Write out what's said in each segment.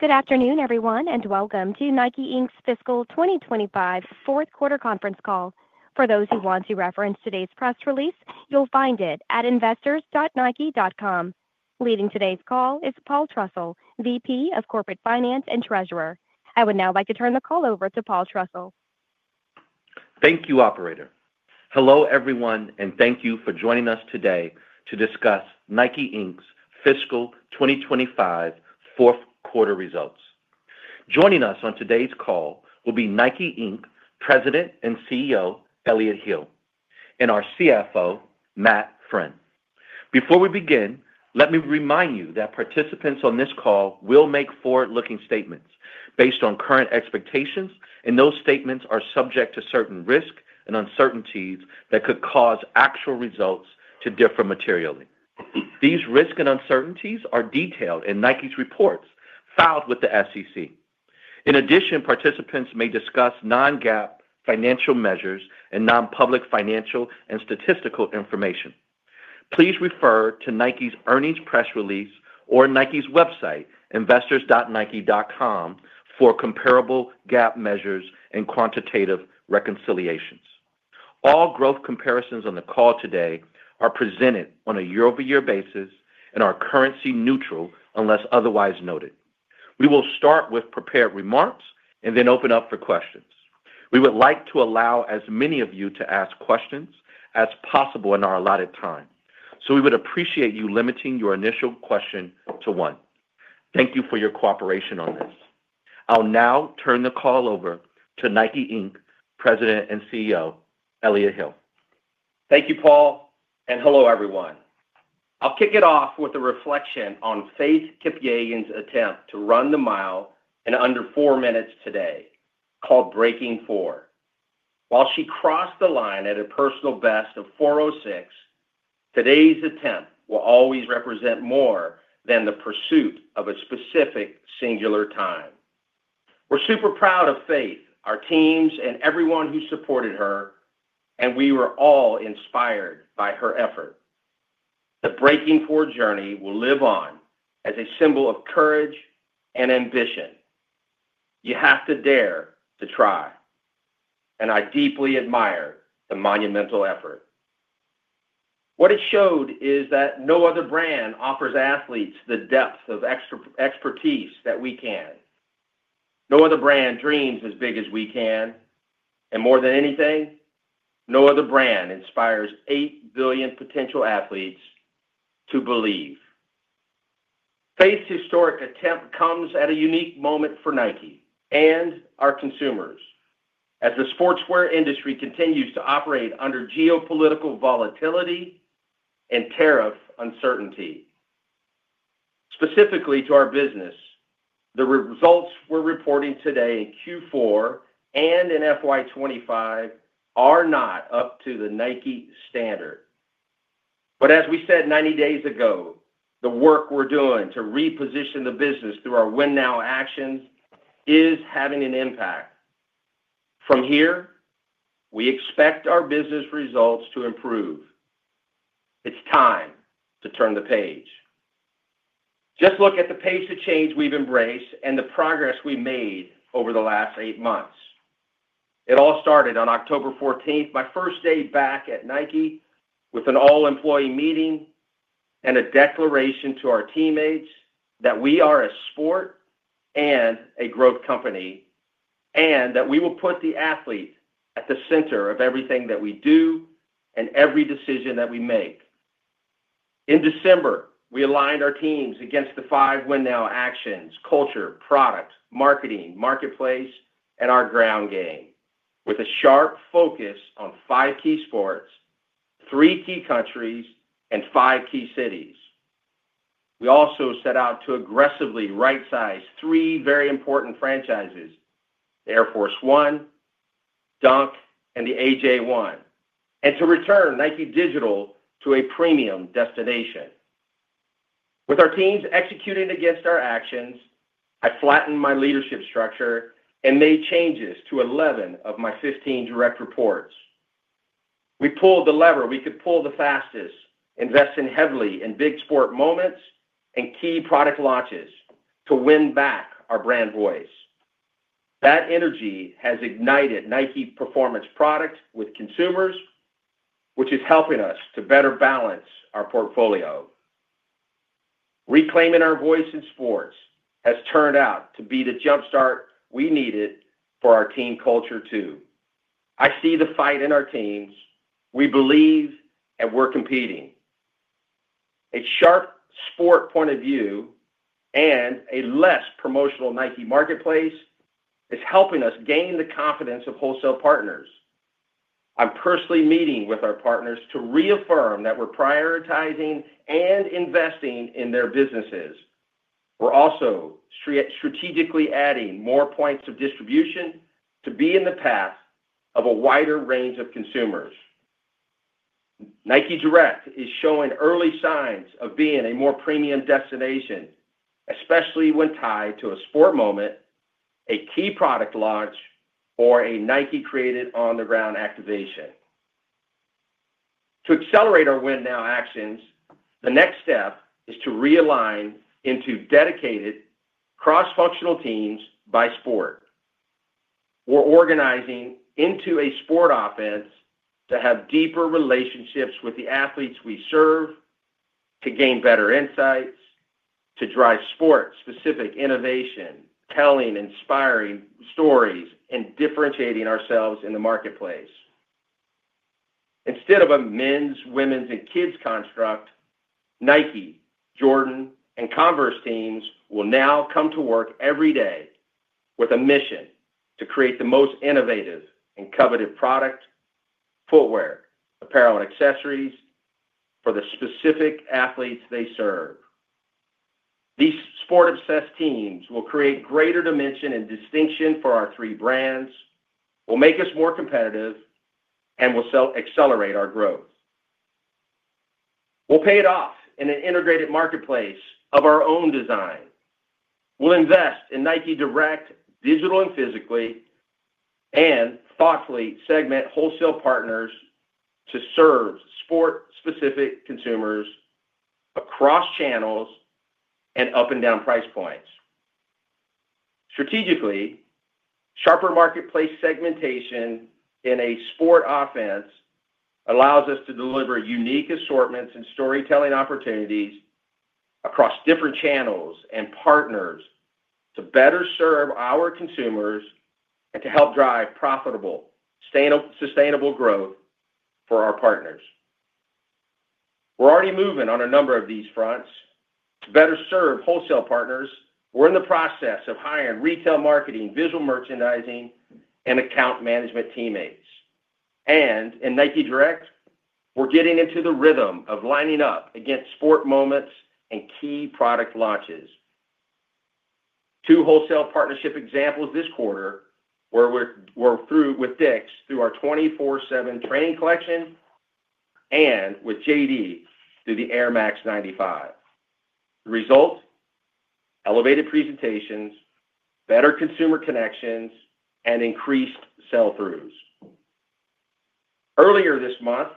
Good afternoon, everyone, and welcome to NIKE Inc's Fiscal 2025 Fourth Quarter Conference Call. For those who want to reference today's press release, you'll find it at investors.nike.com. Leading today's call is Paul Trussell, VP of Corporate Finance and Treasurer. I would now like to turn the call over to Paul Trussell. Thank you, Operator. Hello, everyone, and thank you for joining us today to discuss NIKE Inc's fiscal 2025 fourth quarter results. Joining us on today's call will be NIKE Inc's President and CEO, Elliott Hill, and our CFO, Matt Friend. Before we begin, let me remind you that participants on this call will make forward-looking statements based on current expectations, and those statements are subject to certain risks and uncertainties that could cause actual results to differ materially. These risks and uncertainties are detailed in NIKE's reports filed with the SEC. In addition, participants may discuss non-GAAP financial measures and non-public financial and statistical information. Please refer to NIKE's earnings press release or NIKE's website, investors.nike.com, for comparable GAAP measures and quantitative reconciliations. All growth comparisons on the call today are presented on a year-over-year basis and are currency neutral unless otherwise noted. We will start with prepared remarks and then open up for questions. We would like to allow as many of you to ask questions as possible in our allotted time, so we would appreciate you limiting your initial question to one. Thank you for your cooperation on this. I'll now turn the call over to NIKE Inc President and CEO, Elliott Hill. Thank you, Paul, and hello, everyone. I'll kick it off with a reflection on Faith Kipyegon's attempt to run the mile in under four minutes today, called Breaking4. While she crossed the line at a personal best of 4:06, today's attempt will always represent more than the pursuit of a specific singular time. We're super proud of Faith, our teams, and everyone who supported her, and we were all inspired by her effort. The Breaking4 journey will live on as a symbol of courage and ambition. You have to dare to try, and I deeply admire the monumental effort. What it showed is that no other brand offers athletes the depth of expertise that we can. No other brand dreams as big as we can. More than anything, no other brand inspires eight billion potential athletes to believe. Faith's historic attempt comes at a unique moment for NIKE and our consumers as the sportswear industry continues to operate under geopolitical volatility and tariff uncertainty. Specifically to our business, the results we're reporting today in Q4 and in FY25 are not up to the NIKE standard. As we said 90 days ago, the work we're doing to reposition the business through our win now actions is having an impact. From here, we expect our business results to improve. It's time to turn the page. Just look at the pace of change we've embraced and the progress we've made over the last eight months. It all started on October 14, my first day back at NIKE with an all-employee meeting and a declaration to our teammates that we are a sport and a growth company and that we will put the athlete at the center of everything that we do and every decision that we make. In December, we aligned our teams against the five win now actions: culture, product, marketing, marketplace, and our ground game with a sharp focus on five key sports, three key countries, and five key cities. We also set out to aggressively right-size three very important franchises: Air Force 1, Dunk, and the AJ1, and to return NIKE Digital to a premium destination. With our teams executing against our actions, I flattened my leadership structure and made changes to 11 of my 15 direct reports. We pulled the lever we could pull the fastest, investing heavily in big sport moments and key product launches to win back our brand voice. That energy has ignited NIKE's performance product with consumers, which is helping us to better balance our portfolio. Reclaiming our voice in sports has turned out to be the jumpstart we needed for our team culture too. I see the fight in our teams. We believe and we're competing. A sharp sport point of view and a less promotional NIKE marketplace is helping us gain the confidence of wholesale partners. I'm personally meeting with our partners to reaffirm that we're prioritizing and investing in their businesses. We're also strategically adding more points of distribution to be in the path of a wider range of consumers. NIKE Direct is showing early signs of being a more premium destination, especially when tied to a sport moment, a key product launch, or a NIKE-created on-the-ground activation. To accelerate our win now actions, the next step is to realign into dedicated cross-functional teams by sport. We're organizing into a sport offense to have deeper relationships with the athletes we serve, to gain better insights, to drive sport-specific innovation, telling inspiring stories, and differentiating ourselves in the marketplace. Instead of a men's, women's, and kids' construct, NIKE, Jordan, and Converse teams will now come to work every day with a mission to create the most innovative and coveted product: footwear, apparel, and accessories for the specific athletes they serve. These sport-obsessed teams will create greater dimension and distinction for our three brands, will make us more competitive, and will accelerate our growth. We'll pay it off in an integrated marketplace of our own design. We'll invest in NIKE Direct digitally and physically and thoughtfully segment wholesale partners to serve sport-specific consumers across channels and up and down price points. Strategically, sharper marketplace segmentation in a sport offense allows us to deliver unique assortments and storytelling opportunities across different channels and partners to better serve our consumers and to help drive profitable, sustainable growth for our partners. We're already moving on a number of these fronts to better serve wholesale partners. We're in the process of hiring retail marketing, visual merchandising, and account management teammates. In NIKE Direct, we're getting into the rhythm of lining up against sport moments and key product launches. Two wholesale partnership examples this quarter were with DICK's through our 24/7 training collection and with JD through the Air Max 95. The result: elevated presentations, better consumer connections, and increased sell-throughs. Earlier this month,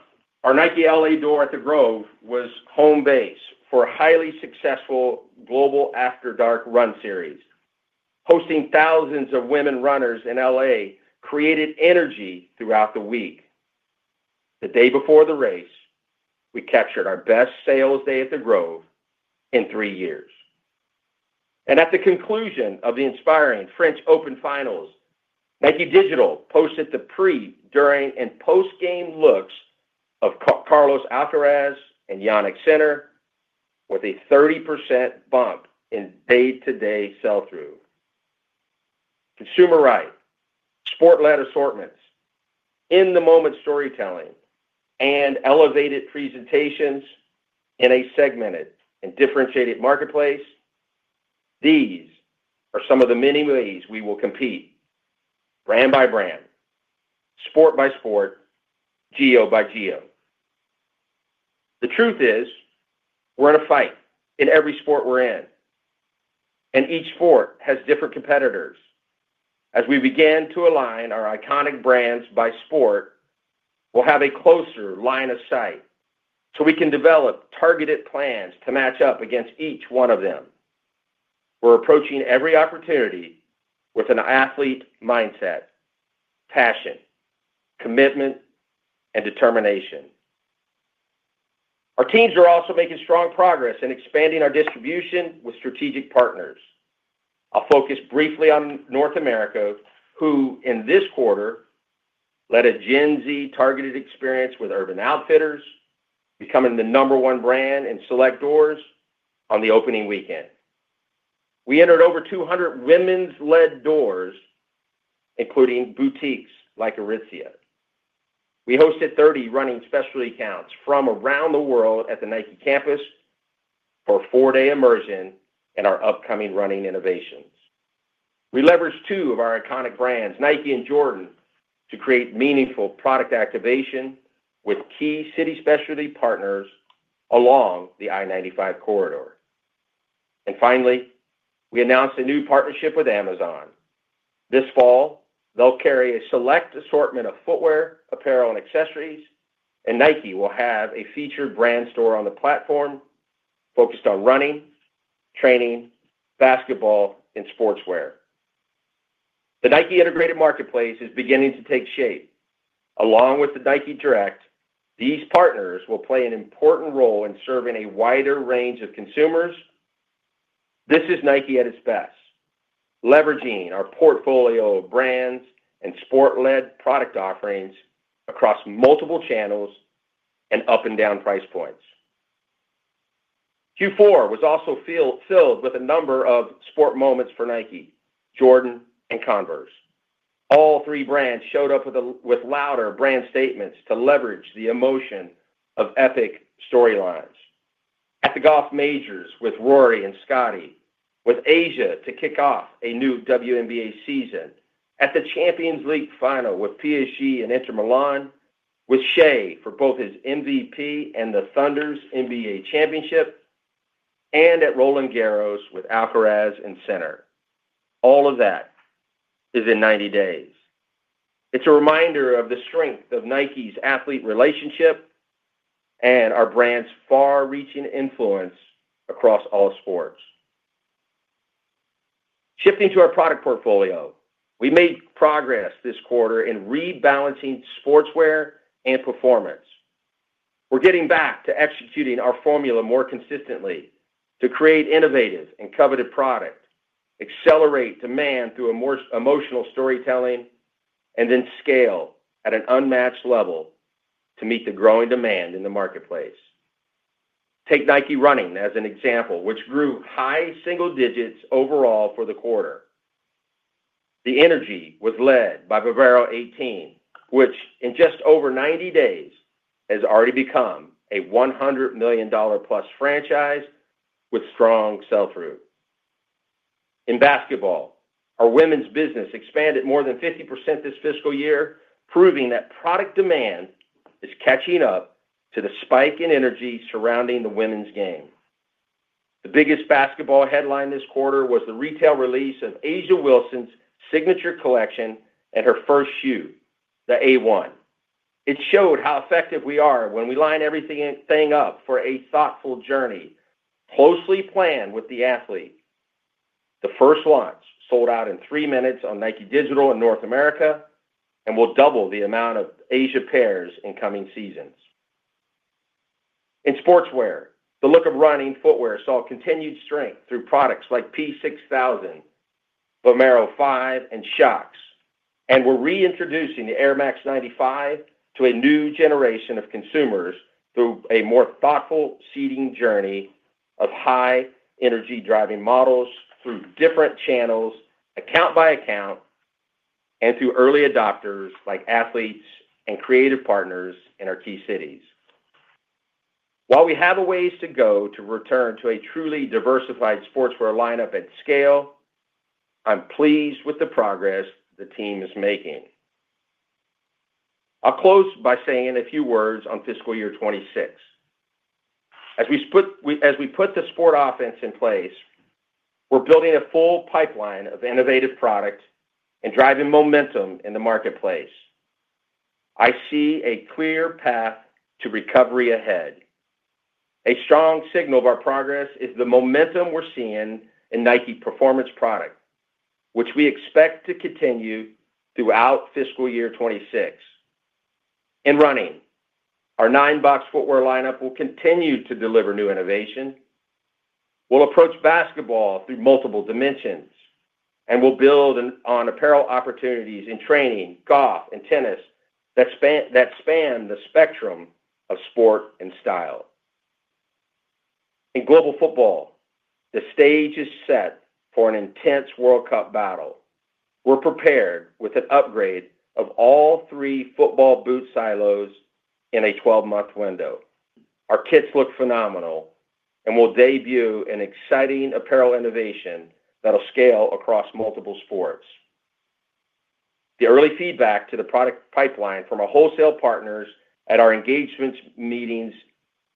our NIKE L.A. door at The Grove was home base for a highly successful global After Dark Run series. Hosting thousands of women runners in Los Angeles created energy throughout the week. The day before the race, we captured our best sales day at The Grove in three years. At the conclusion of the inspiring French Open finals, NIKE Digital posted the pre, during, and post-game looks of Carlos Alcaraz and Jannik Sinner with a 30% bump in day-to-day sell-through. Consumer right, sport-led assortments, in-the-moment storytelling, and elevated presentations in a segmented and differentiated marketplace, these are some of the many ways we will compete: brand by brand, sport by sport, geo by geo. The truth is, we're in a fight in every sport we're in, and each sport has different competitors. As we begin to align our iconic brands by sport, we'll have a closer line of sight so we can develop targeted plans to match up against each one of them. We're approaching every opportunity with an athlete mindset, passion, commitment, and determination. Our teams are also making strong progress in expanding our distribution with strategic partners. I'll focus briefly on North America, who in this quarter led a Gen Z targeted experience with Urban Outfitters, becoming the number one brand in select doors on the opening weekend. We entered over 200 women's-led doors, including boutiques like Aritzia. We hosted 30 running specialty accounts from around the world at the NIKE campus for a four-day immersion in our upcoming running innovations. We leveraged two of our iconic brands, NIKE and Jordan, to create meaningful product activation with key city specialty partners along the I-95 corridor. Finally, we announced a new partnership with Amazon. This fall, they'll carry a select assortment of footwear, apparel, and accessories, and NIKE will have a featured brand store on the platform focused on running, training, basketball, and sportswear. The NIKE integrated marketplace is beginning to take shape. Along with NIKE Direct, these partners will play an important role in serving a wider range of consumers. This is NIKE at its best, leveraging our portfolio of brands and sport-led product offerings across multiple channels and up and down price points. Q4 was also filled with a number of sport moments for NIKE, Jordan, and Converse. All three brands showed up with louder brand statements to leverage the emotion of epic storylines. At the Golf Majors with Rory and Scottie, with A'ja to kick off a new WNBA season, at the Champions League final with PSG and Inter Milan, with Shai for both his MVP and the Thunder's NBA Championship, and at Roland Garros with Alcaraz and Sinner. All of that is in 90 days. It's a reminder of the strength of NIKE's athlete relationship and our brand's far-reaching influence across all sports. Shifting to our product portfolio, we made progress this quarter in rebalancing sportswear and performance. We're getting back to executing our formula more consistently to create innovative and coveted product, accelerate demand through emotional storytelling, and then scale at an unmatched level to meet the growing demand in the marketplace. Take NIKE running as an example, which grew high single digits overall for the quarter. The energy was led by Vomero 18, which in just over 90 days has already become a $100 million-plus franchise with strong sell-through. In basketball, our women's business expanded more than 50% this fiscal year, proving that product demand is catching up to the spike in energy surrounding the women's game. The biggest basketball headline this quarter was the retail release of A'ja Wilson's signature collection and her first shoe, the A'One. It showed how effective we are when we line everything up for a thoughtful journey closely planned with the athlete. The first launch sold out in three minutes on NIKE Digital in North America and will double the amount of A'ja pairs in coming seasons. In sportswear, the look of running footwear saw continued strength through products like P-6000, Vomero 5, and Shox, and we're reintroducing the Air Max 95 to a new generation of consumers through a more thoughtful seeding journey of high-energy driving models through different channels, account by account, and through early adopters like athletes and creative partners in our key cities. While we have a ways to go to return to a truly diversified sportswear lineup at scale, I'm pleased with the progress the team is making. I'll close by saying a few words on fiscal year 2026. As we put the sport offense in place, we're building a full pipeline of innovative product and driving momentum in the marketplace. I see a clear path to recovery ahead. A strong signal of our progress is the momentum we're seeing in NIKE performance product, which we expect to continue throughout fiscal year 2026. In running, our nine-box footwear lineup will continue to deliver new innovation. We'll approach basketball through multiple dimensions, and we'll build on apparel opportunities in training, golf, and tennis that span the spectrum of sport and style. In global football, the stage is set for an intense World Cup battle. We're prepared with an upgrade of all three football boot silos in a 12-month window. Our kits look phenomenal and will debut an exciting apparel innovation that'll scale across multiple sports. The early feedback to the product pipeline from our wholesale partners at our engagement meetings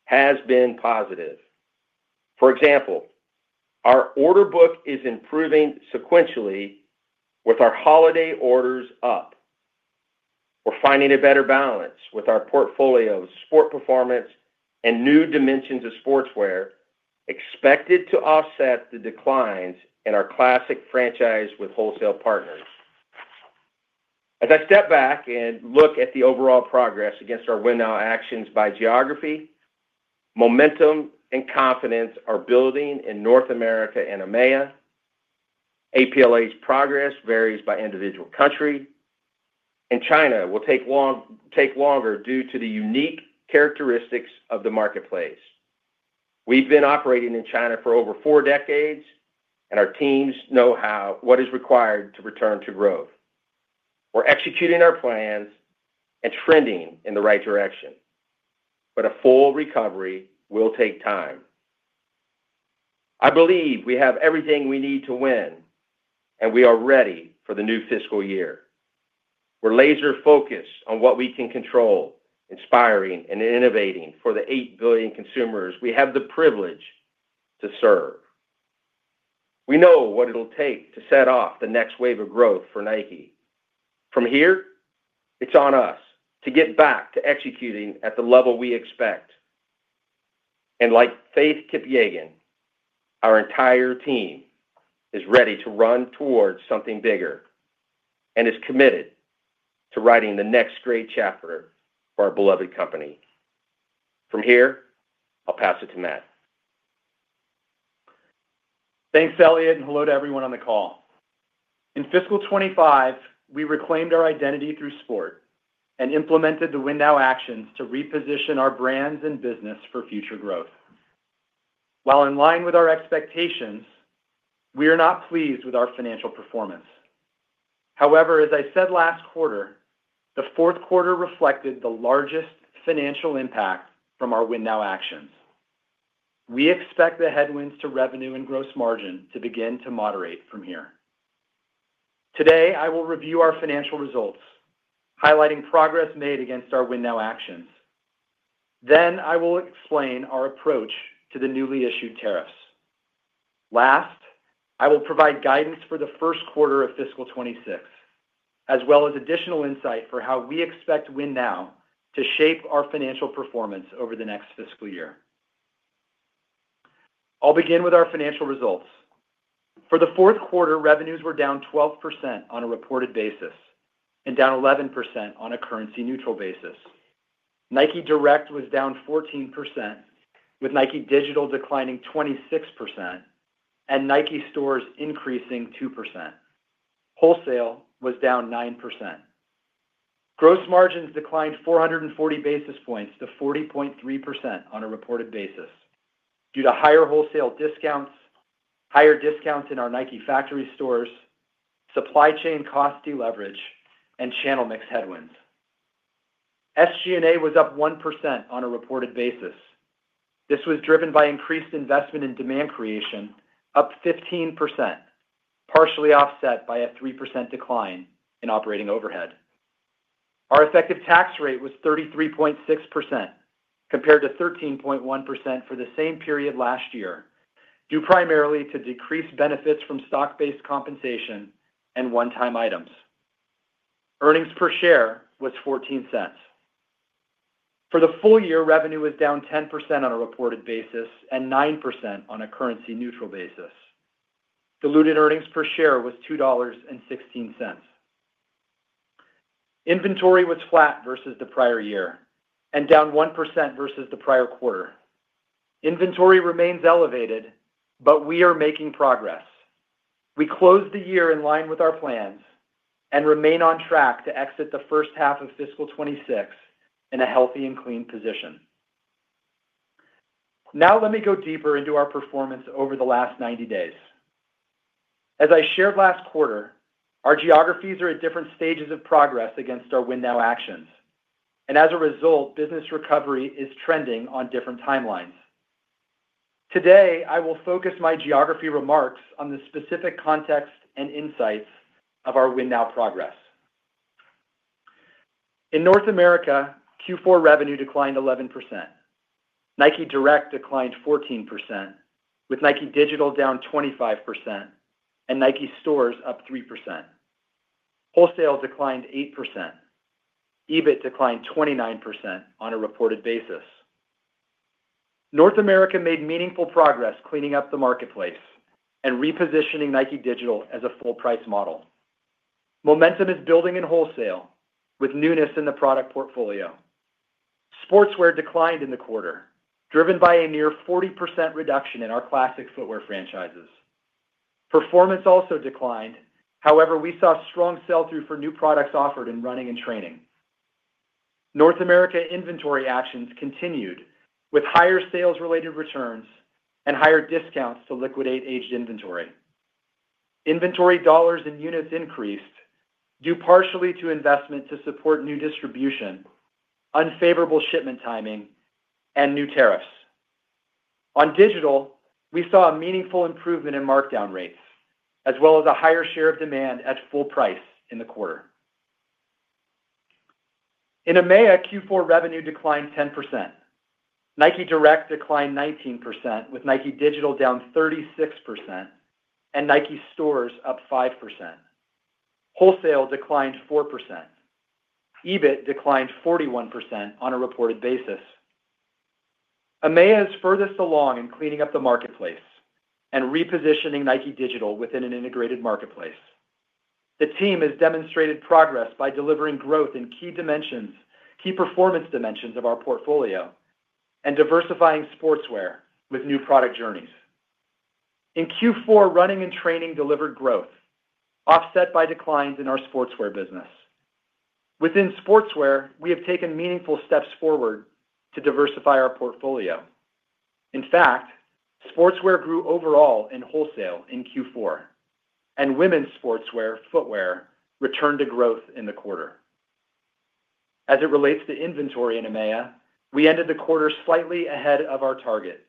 has been positive. For example, our order book is improving sequentially with our holiday orders up. We're finding a better balance with our portfolio of sport performance and new dimensions of sportswear expected to offset the declines in our classic franchise with wholesale partners. As I step back and look at the overall progress against our win now actions by geography, momentum and confidence are building in North America and EMEA. APLA's progress varies by individual country. In China, it will take longer due to the unique characteristics of the marketplace. We've been operating in China for over four decades, and our teams know what is required to return to Grove. We're executing our plans and trending in the right direction, but a full recovery will take time. I believe we have everything we need to win, and we are ready for the new fiscal year. We're laser-focused on what we can control, inspiring, and innovating for the 8 billion consumers we have the privilege to serve. We know what it'll take to set off the next wave of growth for NIKE. From here, it's on us to get back to executing at the level we expect. Like Faith Kipyegon, our entire team is ready to run towards something bigger and is committed to writing the next great chapter for our beloved company. From here, I'll pass it to Matt. Thanks, Elliott, and hello to everyone on the call. In fiscal 2025, we reclaimed our identity through sport and implemented the win now actions to reposition our brands and business for future growth. While in line with our expectations, we are not pleased with our financial performance. However, as I said last quarter, the fourth quarter reflected the largest financial impact from our win now actions. We expect the headwinds to revenue and gross margin to begin to moderate from here. Today, I will review our financial results, highlighting progress made against our win now actions. Then, I will explain our approach to the newly issued tariffs. Last, I will provide guidance for the first quarter of fiscal 2026, as well as additional insight for how we expect win now to shape our financial performance over the next fiscal year. I'll begin with our financial results. For the fourth quarter, revenues were down 12% on a reported basis and down 11% on a currency-neutral basis. NIKE Direct was down 14%, with NIKE Digital declining 26% and NIKE Stores increasing 2%. Wholesale was down 9%. Gross margins declined 440 basis points to 40.3% on a reported basis due to higher wholesale discounts, higher discounts in our NIKE factory stores, supply chain cost deleverage, and channel mix headwinds. SG&A was up 1% on a reported basis. This was driven by increased investment in demand creation, up 15%, partially offset by a 3% decline in operating overhead. Our effective tax rate was 33.6% compared to 13.1% for the same period last year due primarily to decreased benefits from stock-based compensation and one-time items. Earnings per share was $0.14. For the full year, revenue was down 10% on a reported basis and 9% on a currency-neutral basis. Diluted earnings per share was $2.16. Inventory was flat versus the prior year and down 1% versus the prior quarter. Inventory remains elevated, but we are making progress. We closed the year in line with our plans and remain on track to exit the first half of fiscal 2026 in a healthy and clean position. Now, let me go deeper into our performance over the last 90 days. As I shared last quarter, our geographies are at different stages of progress against our win now actions. As a result, business recovery is trending on different timelines. Today, I will focus my geography remarks on the specific context and insights of our win now progress. In North America, Q4 revenue declined 11%. NIKE Direct declined 14%, with NIKE Digital down 25% and NIKE Stores up 3%. Wholesale declined 8%. EBIT declined 29% on a reported basis. North America made meaningful progress cleaning up the marketplace and repositioning NIKE Digital as a full-price model. Momentum is building in wholesale with newness in the product portfolio. Sportswear declined in the quarter, driven by a near 40% reduction in our classic footwear franchises. Performance also declined. However, we saw strong sell-through for new products offered in running and training. North America inventory actions continued with higher sales-related returns and higher discounts to liquidate aged inventory. Inventory dollars and units increased due partially to investment to support new distribution, unfavorable shipment timing, and new tariffs. On Digital, we saw a meaningful improvement in markdown rates, as well as a higher share of demand at full price in the quarter. In EMEA, Q4 revenue declined 10%. NIKE Direct declined 19%, with NIKE Digital down 36% and NIKE Stores up 5%. Wholesale declined 4%. EBIT declined 41% on a reported basis. EMEA is furthest along in cleaning up the marketplace and repositioning NIKE Digital within an integrated marketplace. The team has demonstrated progress by delivering growth in key dimensions, key performance dimensions of our portfolio, and diversifying sportswear with new product journeys. In Q4, running and training delivered growth, offset by declines in our sportswear business. Within sportswear, we have taken meaningful steps forward to diversify our portfolio. In fact, sportswear grew overall in wholesale in Q4, and women's sportswear footwear returned to growth in the quarter. As it relates to inventory in EMEA, we ended the quarter slightly ahead of our target,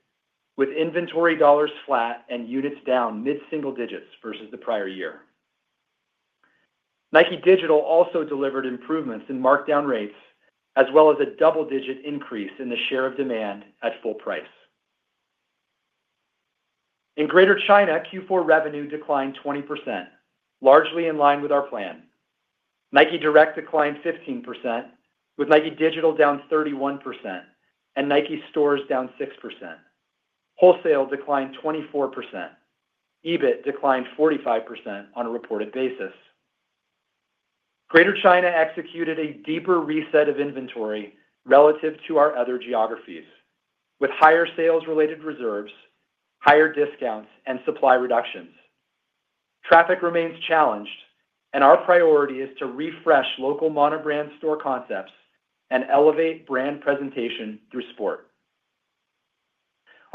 with inventory dollars flat and units down mid-single digits versus the prior year. NIKE Digital also delivered improvements in markdown rates, as well as a double-digit increase in the share of demand at full price. In Greater China, Q4 revenue declined 20%, largely in line with our plan. NIKE Direct declined 15%, with NIKE Digital down 31% and NIKE Stores down 6%. Wholesale declined 24%. EBIT declined 45% on a reported basis. Greater China executed a deeper reset of inventory relative to our other geographies, with higher sales-related reserves, higher discounts, and supply reductions. Traffic remains challenged, and our priority is to refresh local monobrand store concepts and elevate brand presentation through sport.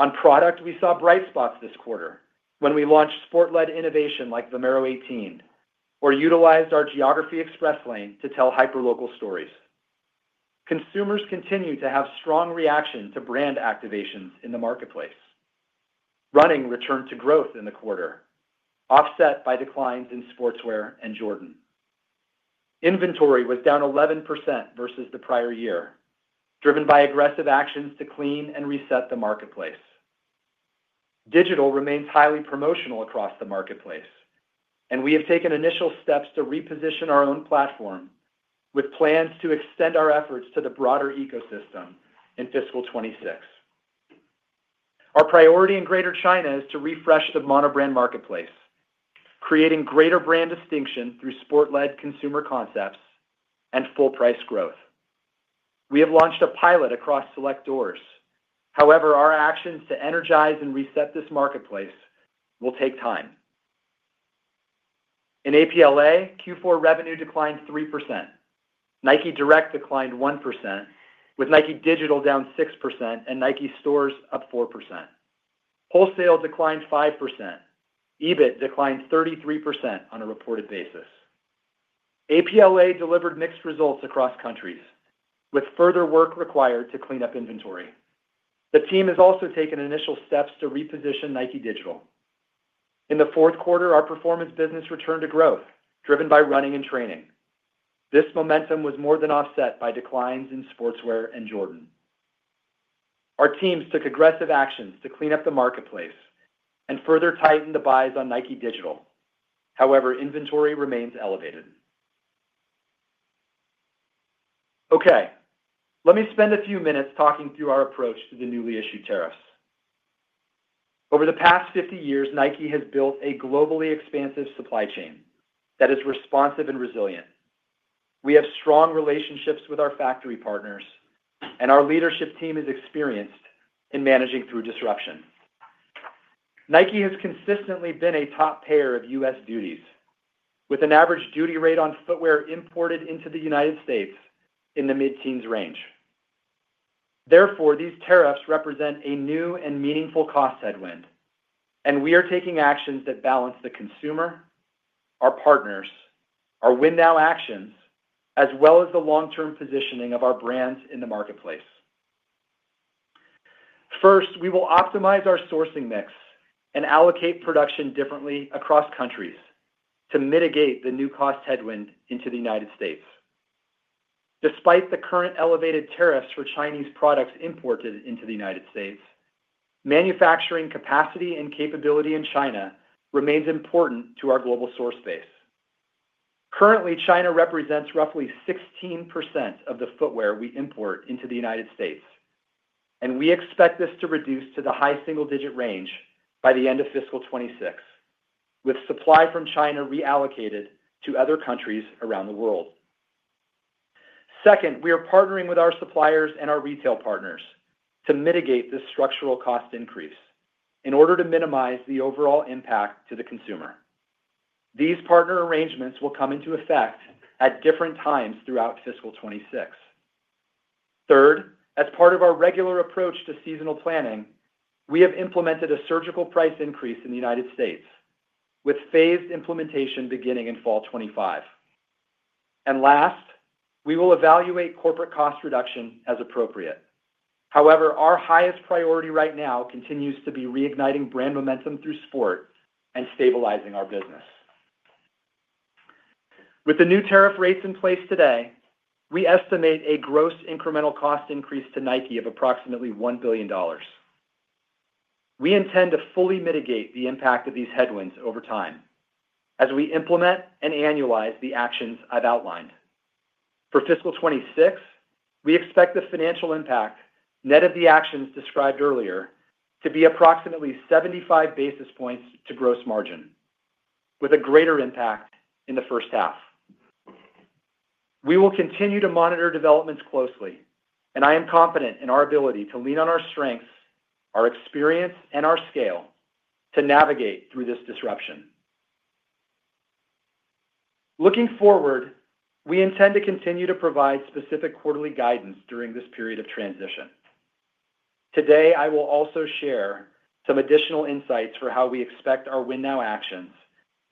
On product, we saw bright spots this quarter when we launched sport-led innovation like Vomero 18 or utilized our geography express lane to tell hyperlocal stories. Consumers continue to have strong reaction to brand activations in the marketplace. Running returned to growth in the quarter, offset by declines in sportswear and Jordan. Inventory was down 11% versus the prior year, driven by aggressive actions to clean and reset the marketplace. Digital remains highly promotional across the marketplace, and we have taken initial steps to reposition our own platform with plans to extend our efforts to the broader ecosystem in fiscal 2026. Our priority in Greater China is to refresh the monobrand marketplace, creating greater brand distinction through sport-led consumer concepts and full-price growth. We have launched a pilot across select doors. However, our actions to energize and reset this marketplace will take time. In APLA, Q4 revenue declined 3%. NIKE Direct declined 1%, with NIKE Digital down 6% and NIKE Stores up 4%. Wholesale declined 5%. EBIT declined 33% on a reported basis. APLA delivered mixed results across countries, with further work required to clean up inventory. The team has also taken initial steps to reposition NIKE Digital. In the fourth quarter, our performance business returned to growth, driven by running and training. This momentum was more than offset by declines in sportswear and Jordan. Our teams took aggressive actions to clean up the marketplace and further tighten the buys on NIKE Digital. However, inventory remains elevated. Okay. Let me spend a few minutes talking through our approach to the newly issued tariffs. Over the past 50 years, NIKE has built a globally expansive supply chain that is responsive and resilient. We have strong relationships with our factory partners, and our leadership team is experienced in managing through disruption. NIKE has consistently been a top payer of U.S. duties, with an average duty rate on footwear imported into the United States in the mid-teens range. Therefore, these tariffs represent a new and meaningful cost headwind, and we are taking actions that balance the consumer, our partners, our Win Now actions, as well as the long-term positioning of our brands in the marketplace. First, we will optimize our sourcing mix and allocate production differently across countries to mitigate the new cost headwind into the United States. Despite the current elevated tariffs for Chinese products imported into the United States, manufacturing capacity and capability in China remains important to our global source base. Currently, China represents roughly 16% of the footwear we import into the United States, and we expect this to reduce to the high single-digit range by the end of fiscal 2026, with supply from China reallocated to other countries around the world. Second, we are partnering with our suppliers and our retail partners to mitigate this structural cost increase in order to minimize the overall impact to the consumer. These partner arrangements will come into effect at different times throughout fiscal 2026. Third, as part of our regular approach to seasonal planning, we have implemented a surgical price increase in the United States, with phased implementation beginning in fall 2025. Last, we will evaluate corporate cost reduction as appropriate. However, our highest priority right now continues to be reigniting brand momentum through sport and stabilizing our business. With the new tariff rates in place today, we estimate a gross incremental cost increase to NIKE of approximately $1 billion. We intend to fully mitigate the impact of these headwinds over time as we implement and annualize the actions I've outlined. For fiscal 2026, we expect the financial impact net of the actions described earlier to be approximately 75 basis points to gross margin, with a greater impact in the first half. We will continue to monitor developments closely, and I am confident in our ability to lean on our strengths, our experience, and our scale to navigate through this disruption. Looking forward, we intend to continue to provide specific quarterly guidance during this period of transition. Today, I will also share some additional insights for how we expect our win now actions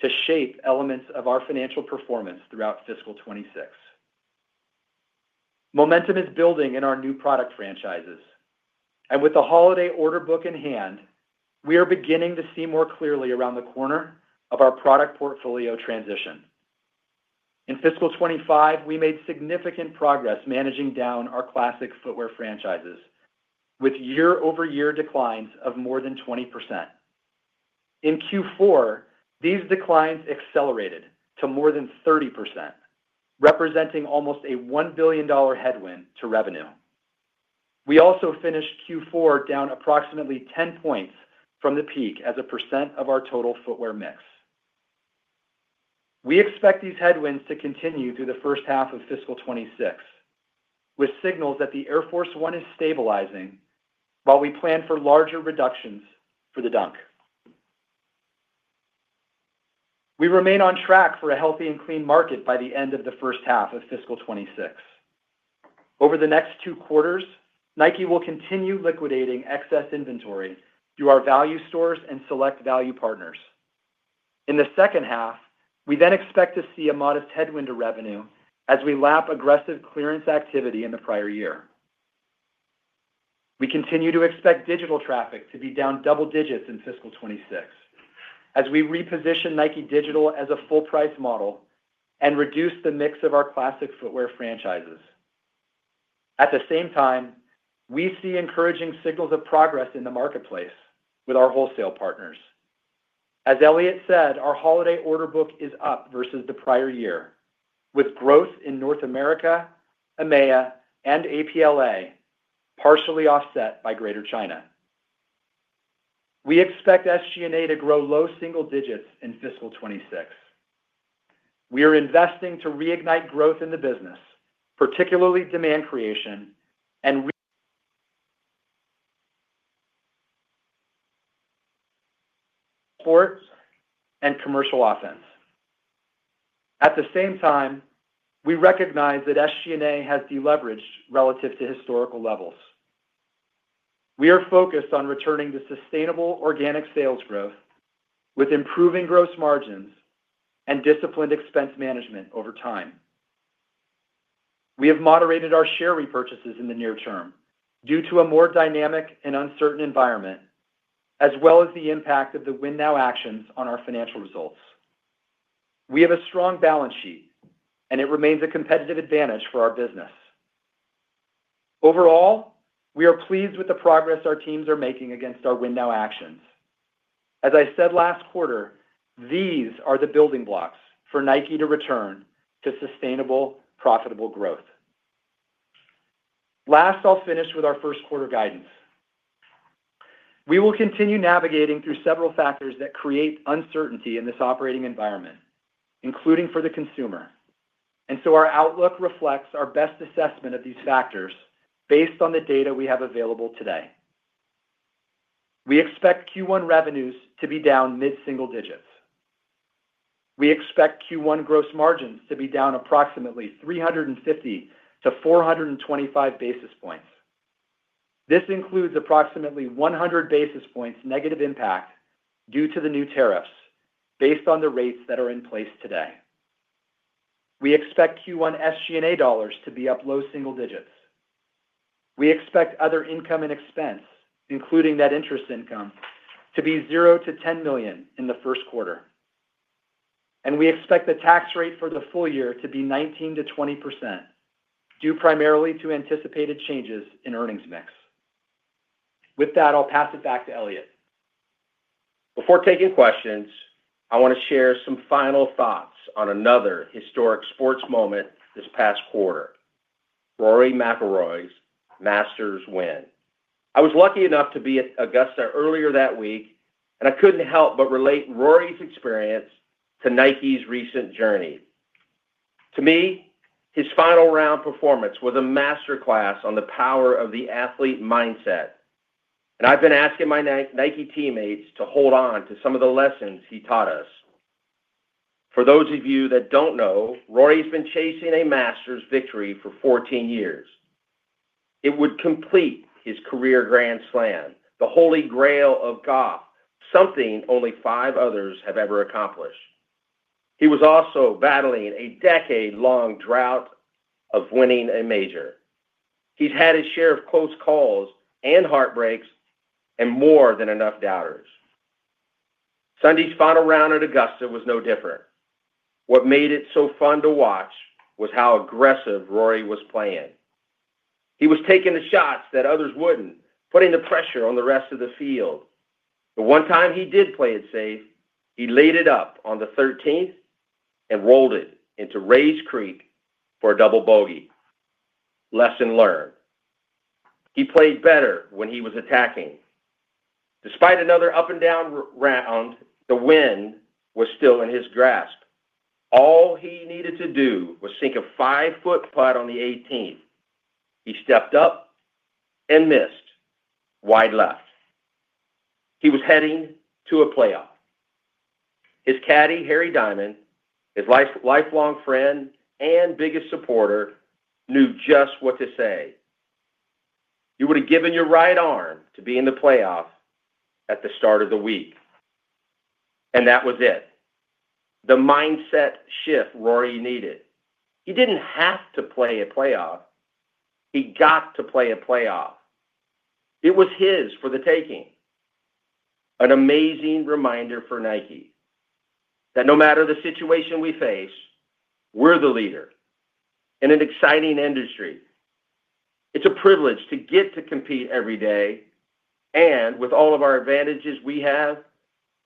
to shape elements of our financial performance throughout fiscal 2026. Momentum is building in our new product franchises. With the holiday order book in hand, we are beginning to see more clearly around the corner of our product portfolio transition. In fiscal 2025, we made significant progress managing down our classic footwear franchises, with year-over-year declines of more than 20%. In Q4, these declines accelerated to more than 30%, representing almost a $1 billion headwind to revenue. We also finished Q4 down approximately 10 percentage points from the peak as a percent of our total footwear mix. We expect these headwinds to continue through the first half of fiscal 2026, with signals that the Air Force 1 is stabilizing while we plan for larger reductions for the Dunk. We remain on track for a healthy and clean market by the end of the first half of fiscal 2026. Over the next two quarters, NIKE will continue liquidating excess inventory through our value stores and select value partners. In the second half, we then expect to see a modest headwind to revenue as we lap aggressive clearance activity in the prior year. We continue to expect digital traffic to be down double digits in fiscal 2026 as we reposition NIKE Digital as a full-price model and reduce the mix of our classic footwear franchises. At the same time, we see encouraging signals of progress in the marketplace with our wholesale partners. As Elliott said, our holiday order book is up versus the prior year, with growth in North America, EMEA, and APLA partially offset by Greater China. We expect SG&A to grow low single digits in fiscal 2026. We are investing to reignite growth in the business, particularly demand creation and commercial offense. At the same time, we recognize that SG&A has deleveraged relative to historical levels. We are focused on returning to sustainable organic sales growth with improving gross margins and disciplined expense management over time. We have moderated our share repurchases in the near term due to a more dynamic and uncertain environment, as well as the impact of the win now actions on our financial results. We have a strong balance sheet, and it remains a competitive advantage for our business. Overall, we are pleased with the progress our teams are making against our win now actions. As I said last quarter, these are the building blocks for NIKE to return to sustainable, profitable growth. Last, I'll finish with our first quarter guidance. We will continue navigating through several factors that create uncertainty in this operating environment, including for the consumer. Our outlook reflects our best assessment of these factors based on the data we have available today. We expect Q1 revenues to be down mid-single digits. We expect Q1 gross margins to be down approximately 350-425 basis points. This includes approximately 100 basis points negative impact due to the new tariffs based on the rates that are in place today. We expect Q1 SG&A dollars to be up low single digits. We expect other income and expense, including net interest income, to be $0-$10 million in the first quarter. We expect the tax rate for the full year to be 19%-20%, due primarily to anticipated changes in earnings mix. With that, I'll pass it back to Elliott. Before taking questions, I want to share some final thoughts on another historic sports moment this past quarter: Rory McIlroy's Masters win. I was lucky enough to be at Augusta earlier that week, and I could not help but relate Rory's experience to NIKE's recent journey. To me, his final round performance was a masterclass on the power of the athlete mindset. I have been asking my NIKE teammates to hold on to some of the lessons he taught us. For those of you that do not know, Rory has been chasing a Masters victory for 14 years. It would complete his career grand slam, the Holy Grail of golf, something only five others have ever accomplished. He was also battling a decade-long drought of winning a major. He has had his share of close calls and heartbreaks and more than enough doubters. Sunday's final round at Augusta was no different. What made it so fun to watch was how aggressive Rory was playing. He was taking the shots that others would not, putting the pressure on the rest of the field. One time he did play it safe. He laid it up on the 13th and rolled it into Rae's Creek for a double bogey. Lesson learned. He played better when he was attacking. Despite another up-and-down round, the win was still in his grasp. All he needed to do was sink a five-foot putt on the 18th. He stepped up and missed wide left. He was heading to a playoff. His caddie, Harry Diamond, his lifelong friend and biggest supporter, knew just what to say. You would have given your right arm to be in the playoff at the start of the week. That was it. The mindset shift Rory needed. He did not have to play a playoff. He got to play a playoff. It was his for the taking. An amazing reminder for NIKE that no matter the situation we face, we're the leader in an exciting industry. It's a privilege to get to compete every day. With all of our advantages we have,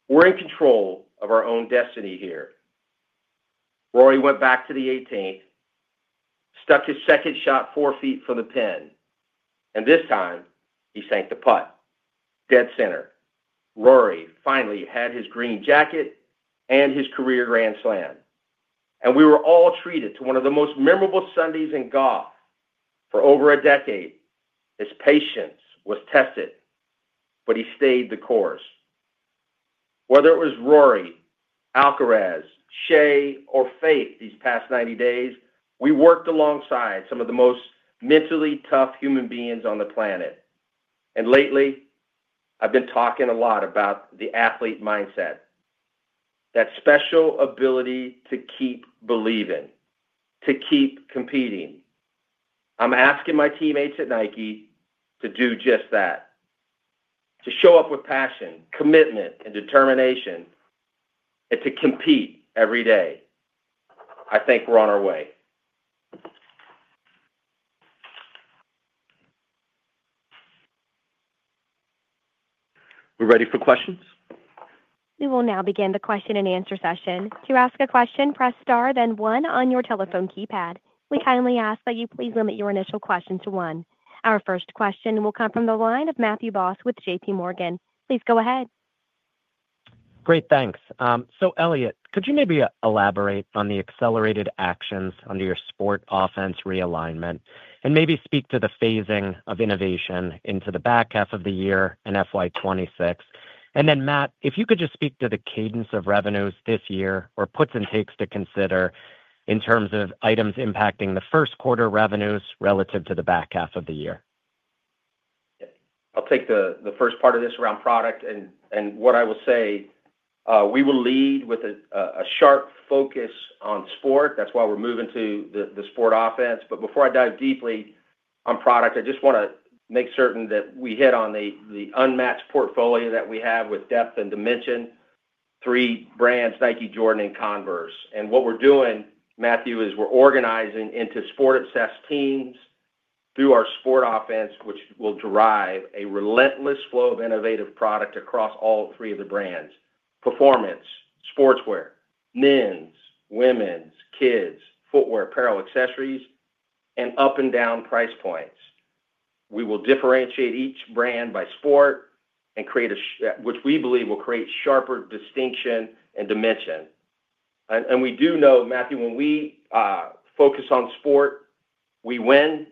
we're in control of our own destiny here. Rory went back to the 18th, stuck his second shot four feet from the pin. This time, he sank the putt. Dead center. Rory finally had his green jacket and his career grand slam. We were all treated to one of the most memorable Sundays in golf. For over a decade, his patience was tested, but he stayed the course. Whether it was Rory, Alcaraz, Shai, or Faith these past 90 days, we worked alongside some of the most mentally tough human beings on the planet. Lately, I've been talking a lot about the athlete mindset. That special ability to keep believing, to keep competing. I'm asking my teammates at NIKE to do just that. To show up with passion, commitment, and determination, and to compete every day. I think we're on our way. We ready for questions? We will now begin the question and answer session. To ask a question, press star, then one on your telephone keypad. We kindly ask that you please limit your initial question to one. Our first question will come from the line of Matthew Boss with JPMorgan. Please go ahead. Great. Thanks. So Elliott, could you maybe elaborate on the accelerated actions under your sport offense realignment and maybe speak to the phasing of innovation into the back half of the year in FY2026? Matt, if you could just speak to the cadence of revenues this year or puts and takes to consider in terms of items impacting the first quarter revenues relative to the back half of the year. I'll take the first part of this around product and what I will say. We will lead with a sharp focus on sport. That is why we're moving to the sport offense. Before I dive deeply on product, I just want to make certain that we hit on the unmatched portfolio that we have with depth and dimension. Three brands, NIKE, Jordan, and Converse. What we're doing, Matthew, is we're organizing into sport-obsessed teams through our sport offense, which will drive a relentless flow of innovative product across all three of the brands: performance, sportswear, men's, women's, kids, footwear, apparel, accessories, and up-and-down price points. We will differentiate each brand by sport and create a sharp, which we believe will create sharper distinction and dimension. We do know, Matthew, when we focus on sport, we win.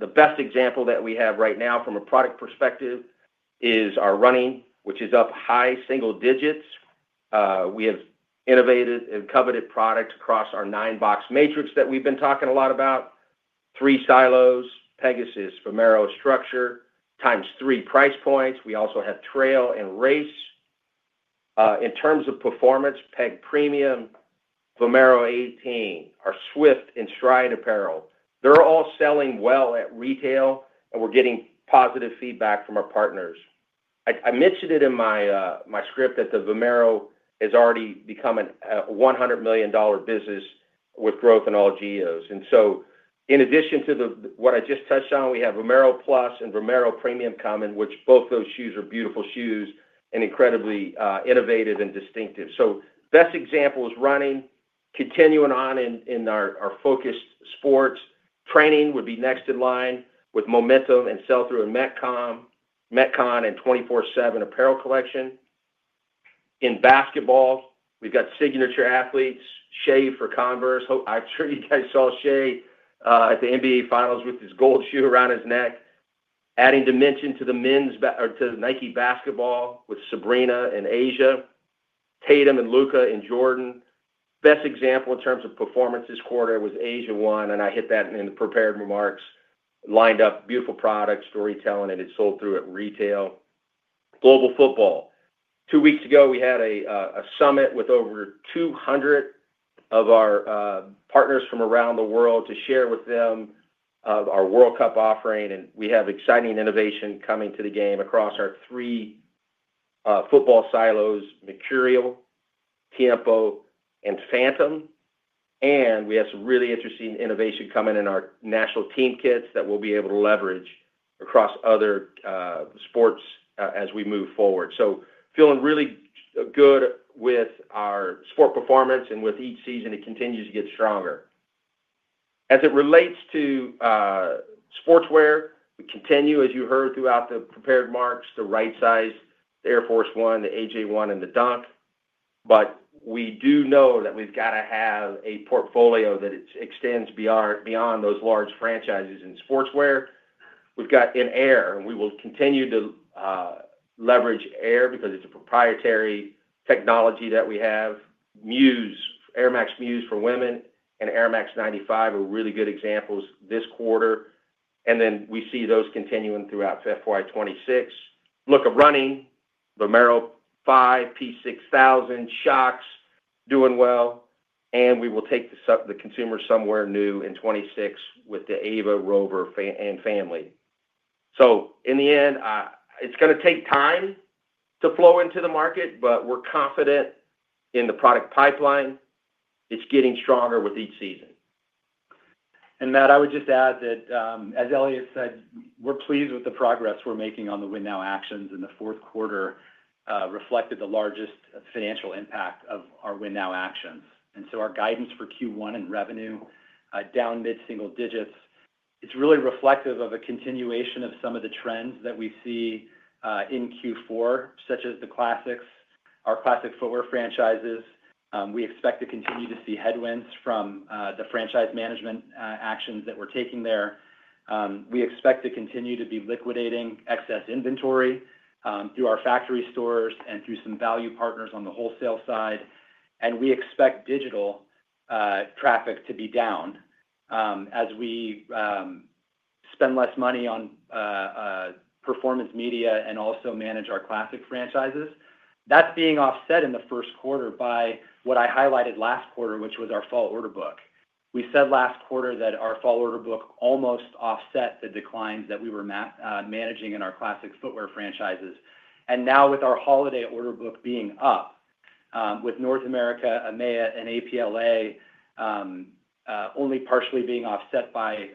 The best example that we have right now from a product perspective is our running, which is up high single digits. We have innovated and coveted products across our nine-box matrix that we've been talking a lot about: three silos, Pegasus, Vomero structure, times three price points. We also have trail and race. In terms of performance, Peg Premium, Vomero 18, our Swift and Stride apparel. They're all selling well at retail, and we're getting positive feedback from our partners. I mentioned it in my script that the Vomero has already become a $100 million business with growth in all geos. In addition to what I just touched on, we have Vomero Plus and Vomero Premium Common, which both those shoes are beautiful shoes and incredibly innovative and distinctive. Best example is running, continuing on in our focused sports. Training would be next in line with Momentum and Seltzer and Metcon and 24/7 Apparel Collection. In basketball, we've got signature athletes, Shai for Converse. I'm sure you guys saw Shai at the NBA finals with his gold shoe around his neck. Adding dimension to the NIKE basketball with Sabrina and A'ja, Tatum and Luka and Jordan. Best example in terms of performance this quarter was A'ja 1, and I hit that in the prepared remarks. Lined up beautiful product storytelling, and it sold through at retail. Global football. Two weeks ago, we had a summit with over 200 of our partners from around the world to share with them our World Cup offering. We have exciting innovation coming to the game across our three football silos: Mercurial, Tiempo, and Phantom. We have some really interesting innovation coming in our national team kits that we will be able to leverage across other sports as we move forward. I am feeling really good with our sport performance and with each season, it continues to get stronger. As it relates to sportswear, we continue, as you heard throughout the prepared marks, to right size the Air Force 1, the AJ1, and the Dunk. We do know that we have to have a portfolio that extends beyond those large franchises in sportswear. We've got in Air, and we will continue to leverage Air because it's a proprietary technology that we have. Air Max Muse for women and Air Max 95 are really good examples this quarter. We see those continuing throughout fiscal year 2026. Look at running, Vomero 5, P-6000, Shox doing well. We will take the consumer somewhere new in 2026 with the Ava Rover and family. In the end, it's going to take time to flow into the market, but we're confident in the product pipeline. It's getting stronger with each season. Matt, I would just add that, as Elliott said, we're pleased with the progress we're making on the win now actions in the fourth quarter, reflected in the largest financial impact of our win now actions. Our guidance for Q1 and revenue down mid-single digits is really reflective of a continuation of some of the trends that we see in Q4, such as the classics, our classic footwear franchises. We expect to continue to see headwinds from the franchise management actions that we are taking there. We expect to continue to be liquidating excess inventory through our factory stores and through some value partners on the wholesale side. We expect digital traffic to be down as we spend less money on performance media and also manage our classic franchises. That is being offset in the first quarter by what I highlighted last quarter, which was our fall order book. We said last quarter that our fall order book almost offset the declines that we were managing in our classic footwear franchises. Now with our holiday order book being up, with North America, EMEA, and APLA only partially being offset by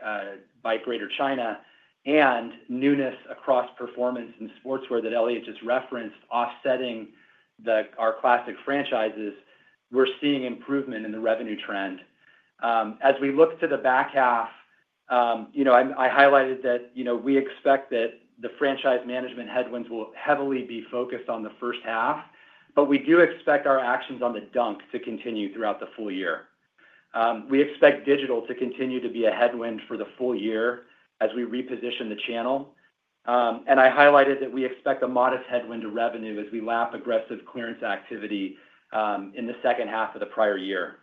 Greater China and newness across performance and sportswear that Elliott just referenced, offsetting our classic franchises, we're seeing improvement in the revenue trend. As we look to the back half, I highlighted that we expect that the franchise management headwinds will heavily be focused on the first half, but we do expect our actions on the Dunk to continue throughout the full year. We expect Digital to continue to be a headwind for the full year as we reposition the channel. I highlighted that we expect a modest headwind to revenue as we lap aggressive clearance activity in the second half of the prior year.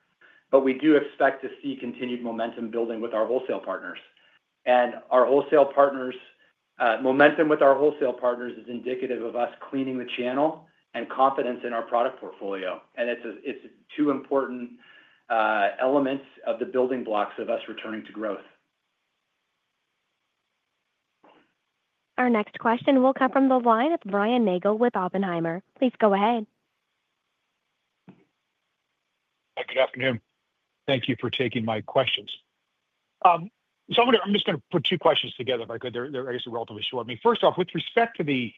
We do expect to see continued momentum building with our wholesale partners. Momentum with our wholesale partners is indicative of us cleaning the channel and confidence in our product portfolio. It is two important elements of the building blocks of us returning to growth. Our next question will come from the line of Brian Nagel with Oppenheimer. Please go ahead. Good afternoon. Thank you for taking my questions. I am just going to put two questions together, if I could. They are, I guess, relatively short. I mean, first off, with respect to the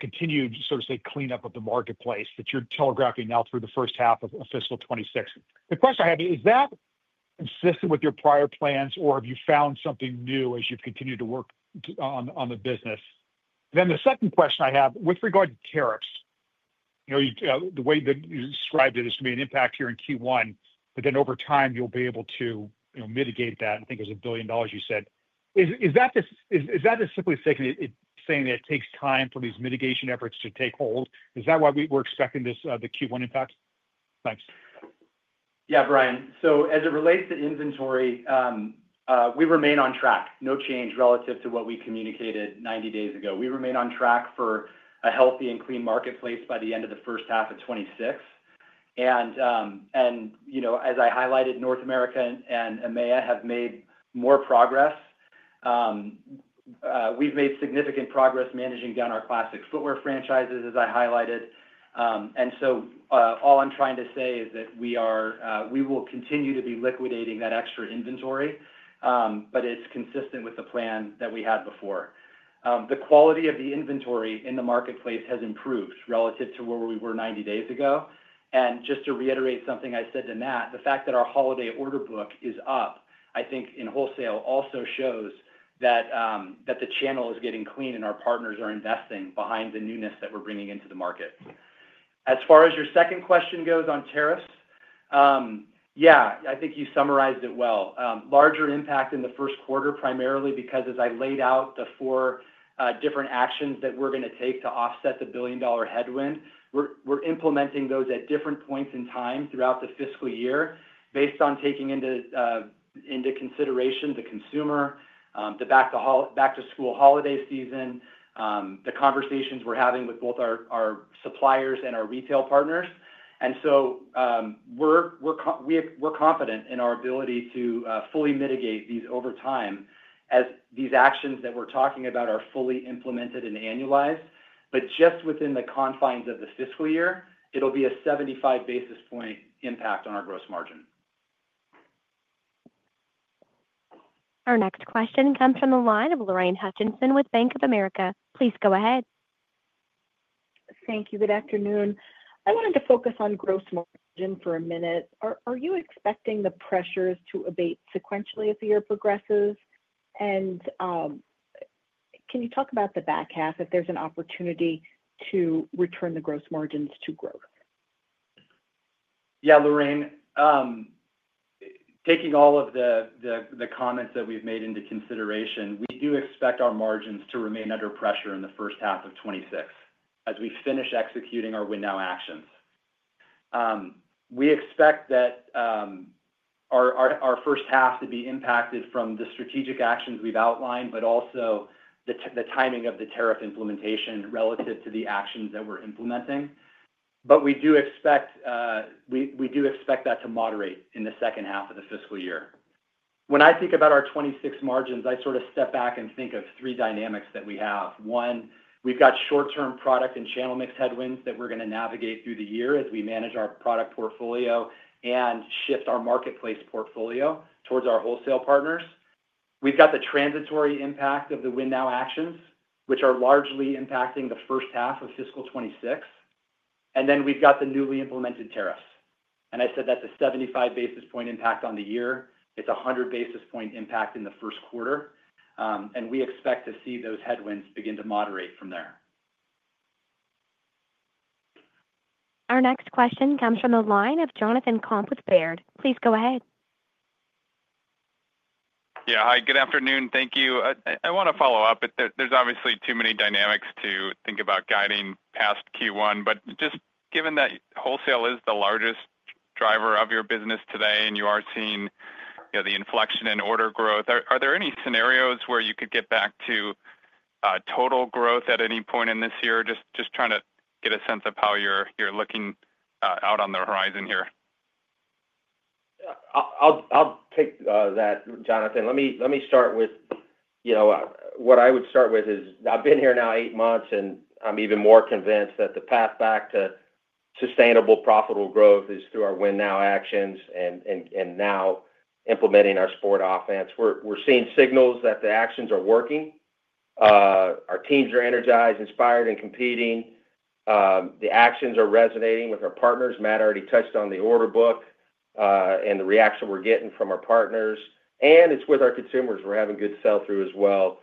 continued, so to say, cleanup of the marketplace that you are telegraphing now through the first half of fiscal 2026, the question I have is, is that consistent with your prior plans, or have you found something new as you have continued to work on the business? The second question I have, with regard to tariffs, the way that you described it is to be an impact here in Q1, but then over time, you'll be able to mitigate that, I think it was a billion dollars you said. Is that simply saying that it takes time for these mitigation efforts to take hold? Is that why we're expecting the Q1 impact? Thanks. Yeah, Brian. As it relates to inventory, we remain on track. No change relative to what we communicated 90 days ago. We remain on track for a healthy and clean marketplace by the end of the first half of 2026. As I highlighted, North America and EMEA have made more progress. We've made significant progress managing down our classic footwear franchises, as I highlighted. All I'm trying to say is that we will continue to be liquidating that extra inventory, but it's consistent with the plan that we had before. The quality of the inventory in the marketplace has improved relative to where we were 90 days ago. Just to reiterate something I said to Matt, the fact that our holiday order book is up, I think in wholesale also shows that the channel is getting clean and our partners are investing behind the newness that we're bringing into the market. As far as your second question goes on tariffs, yeah, I think you summarized it well. Larger impact in the first quarter, primarily because as I laid out the four different actions that we're going to take to offset the billion-dollar headwind, we're implementing those at different points in time throughout the fiscal year based on taking into consideration the consumer, the back-to-school holiday season, the conversations we're having with both our suppliers and our retail partners. We are confident in our ability to fully mitigate these over time as these actions that we're talking about are fully implemented and annualized. Just within the confines of the fiscal year, it'll be a 75 basis point impact on our gross margin. Our next question comes from the line of Lorraine Hutchinson with Bank of America. Please go ahead. Thank you. Good afternoon. I wanted to focus on gross margin for a minute. Are you expecting the pressures to abate sequentially as the year progresses? Can you talk about the back half if there is an opportunity to return the gross margins to growth? Yeah, Lorraine, taking all of the comments that we have made into consideration, we do expect our margins to remain under pressure in the first half of 2026 as we finish executing our win now actions. We expect that our first half to be impacted from the strategic actions we have outlined, but also the timing of the tariff implementation relative to the actions that we are implementing. We do expect that to moderate in the second half of the fiscal year. When I think about our 2026 margins, I sort of step back and think of three dynamics that we have. One, we've got short-term product and channel mix headwinds that we're going to navigate through the year as we manage our product portfolio and shift our marketplace portfolio towards our wholesale partners. We've got the transitory impact of the win now actions, which are largely impacting the first half of fiscal 2026. Then we've got the newly implemented tariffs. I said that's a 75 basis point impact on the year. It's a 100 basis point impact in the first quarter. We expect to see those headwinds begin to moderate from there. Our next question comes from the line of Jonathan Komp with Baird. Please go ahead. Yeah. Hi. Good afternoon. Thank you. I want to follow up. There's obviously too many dynamics to think about guiding past Q1. Just given that wholesale is the largest driver of your business today and you are seeing the inflection in order growth, are there any scenarios where you could get back to total growth at any point in this year? Just trying to get a sense of how you're looking out on the horizon here. I'll take that, Jonathan. Let me start with what I would start with is I've been here now eight months, and I'm even more convinced that the path back to sustainable profitable growth is through our win now actions and now implementing our sport offense. We're seeing signals that the actions are working. Our teams are energized, inspired, and competing. The actions are resonating with our partners. Matt already touched on the order book and the reaction we're getting from our partners. It's with our consumers. We're having good sell-through as well.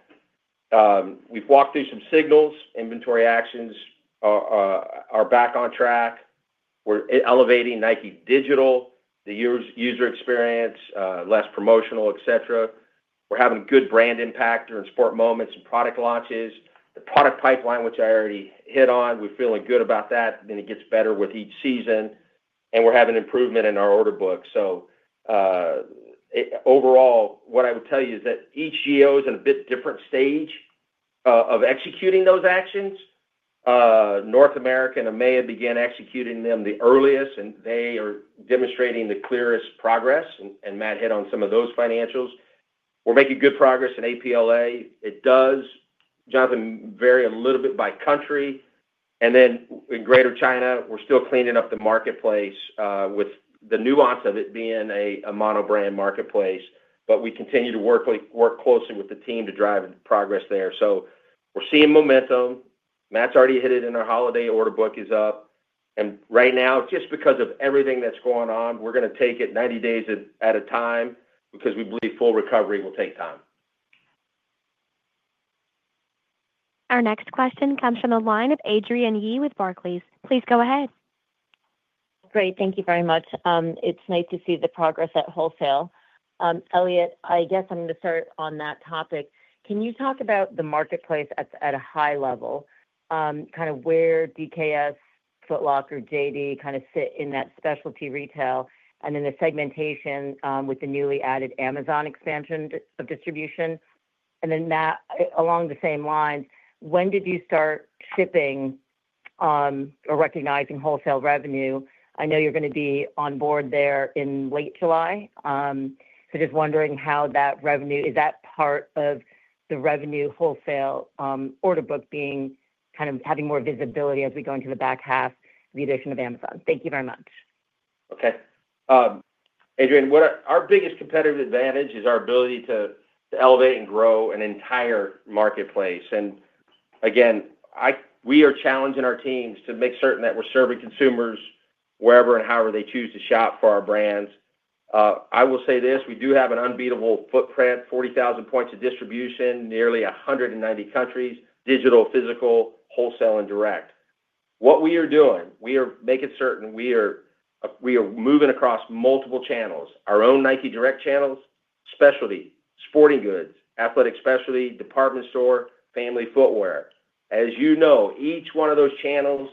We've walked through some signals. Inventory actions are back on track. We're elevating NIKE Digital, the user experience, less promotional, etc. We're having good brand impact during sport moments and product launches. The product pipeline, which I already hit on, we're feeling good about that. It gets better with each season, and we're having improvement in our order book. Overall, what I would tell you is that each GO is in a bit different stage of executing those actions. North America and EMEA began executing them the earliest, and they are demonstrating the clearest progress. Matt hit on some of those financials. We're making good progress in APLA. It does, Jonathan, vary a little bit by country. In Greater China, we're still cleaning up the marketplace with the nuance of it being a monobrand marketplace. We continue to work closely with the team to drive progress there. We are seeing momentum. Matt's already hit it and our holiday order book is up. Right now, just because of everything that's going on, we are going to take it 90 days at a time because we believe full recovery will take time. Our next question comes from the line of Adrienne Yih with Barclays. Please go ahead. Great. Thank you very much. It's nice to see the progress at wholesale. Elliott, I guess I'm going to start on that topic. Can you talk about the marketplace at a high level, kind of where DKS, Foot Locker, JD Sports kind of sit in that specialty retail, and then the segmentation with the newly added Amazon expansion of distribution? And then Matt, along the same lines, when did you start shipping or recognizing wholesale revenue? I know you're going to be on board there in late July. Just wondering how that revenue, is that part of the revenue wholesale order book being kind of having more visibility as we go into the back half with the addition of Amazon? Thank you very much. Okay. Adrienne, our biggest competitive advantage is our ability to elevate and grow an entire marketplace. Again, we are challenging our teams to make certain that we're serving consumers wherever and however they choose to shop for our brands. I will say this. We do have an unbeatable footprint, 40,000 points of distribution, nearly 190 countries, digital, physical, wholesale, and direct. What we are doing, we are making certain we are moving across multiple channels, our own NIKE Direct channels, specialty, sporting goods, athletic specialty, department store, family footwear. As you know, each one of those channels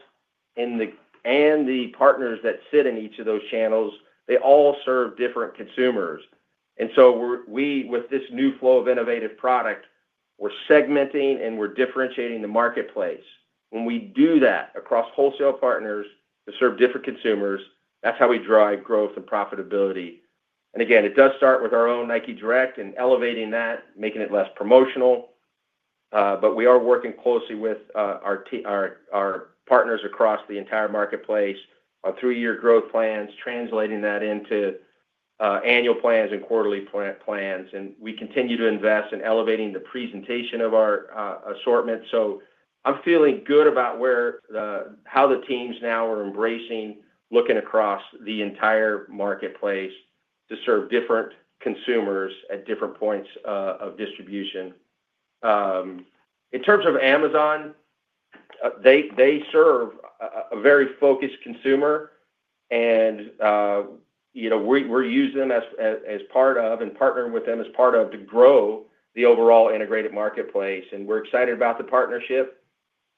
and the partners that sit in each of those channels, they all serve different consumers. We, with this new flow of innovative product, are segmenting and differentiating the marketplace. When we do that across wholesale partners to serve different consumers, that is how we drive growth and profitability. It does start with our own NIKE Direct and elevating that, making it less promotional. We are working closely with our partners across the entire marketplace on three-year growth plans, translating that into annual plans and quarterly plans. We continue to invest in elevating the presentation of our assortment. I am feeling good about how the teams now are embracing, looking across the entire marketplace to serve different consumers at different points of distribution. In terms of Amazon, they serve a very focused consumer, and we're using them as part of and partnering with them as part of to grow the overall integrated marketplace. We're excited about the partnership.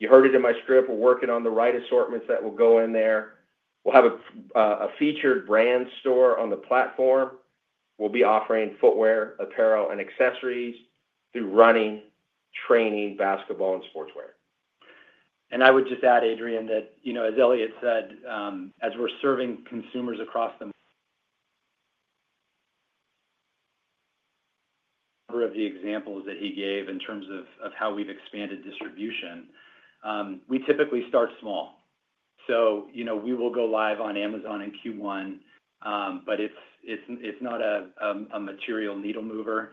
You heard it in my script. We're working on the right assortments that will go in there. We'll have a featured brand store on the platform. We'll be offering footwear, apparel, and accessories through running, training, basketball, and sportswear. I would just add, Adrienne, that as Elliott said, as we're serving consumers across the number of the examples that he gave in terms of how we've expanded distribution, we typically start small. We will go live on Amazon in Q1, but it's not a material needle mover.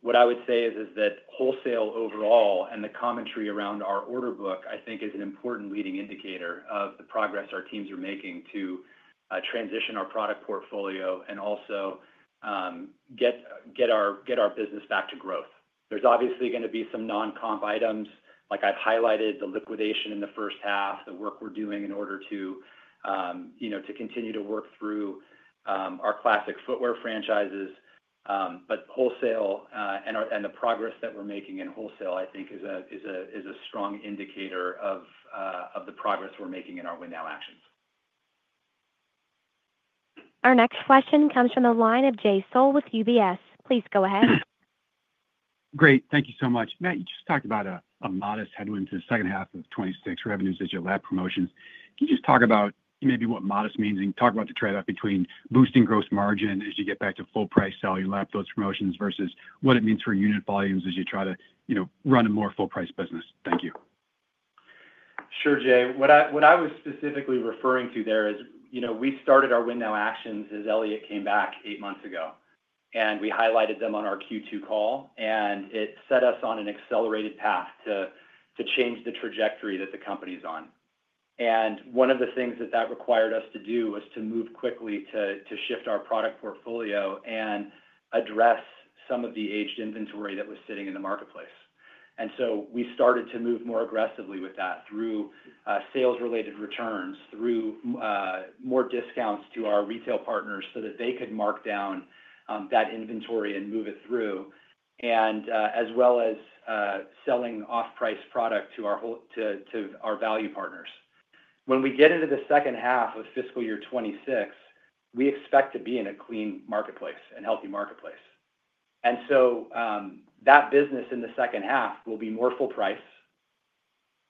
What I would say is that wholesale overall and the commentary around our order book, I think, is an important leading indicator of the progress our teams are making to transition our product portfolio and also get our business back to growth. There is obviously going to be some non-comp items, like I have highlighted the liquidation in the first half, the work we are doing in order to continue to work through our classic footwear franchises. Wholesale and the progress that we are making in wholesale, I think, is a strong indicator of the progress we are making in our win now actions. Our next question comes from the line of Jay Sole with UBS. Please go ahead. Great. Thank you so much. Matt, you just talked about a modest headwind to the second half of 2026 revenues as you lap promotions. Can you just talk about maybe what modest means and talk about the trade-off between boosting gross margin as you get back to full price selling, you lap those promotions versus what it means for unit volumes as you try to run a more full-price business? Thank you. Sure, Jay. What I was specifically referring to there is we started our win now actions as Elliott came back eight months ago. We highlighted them on our Q2 call. It set us on an accelerated path to change the trajectory that the company's on. One of the things that that required us to do was to move quickly to shift our product portfolio and address some of the aged inventory that was sitting in the marketplace. We started to move more aggressively with that through sales-related returns, through more discounts to our retail partners so that they could mark down that inventory and move it through, as well as selling off-price product to our value partners. When we get into the second half of fiscal year 2026, we expect to be in a clean marketplace, a healthy marketplace. That business in the second half will be more full price.